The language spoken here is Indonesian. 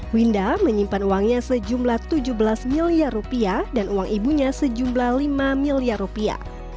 winda menyimpan uangnya sejumlah tujuh belas miliar rupiah dan uang ibunya sejumlah lima miliar rupiah